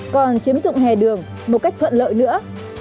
còn chiếm dụng hè đường một cách thuận lợi nữa